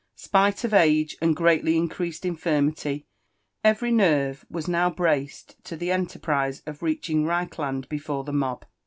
Spilf ^f age and grpally increased infirmity, every nerve was now braced to \hQ eolerprise of reaching Reichlaad tefore the mob.